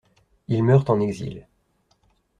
Ils meurent en exil.